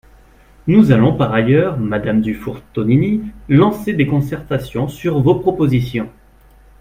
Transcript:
Nous allons par ailleurs, madame Dufour-Tonini, lancer des concertations sur vos propositions.